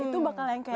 itu bakal yang kayak